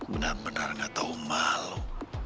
benar benar gak tau malu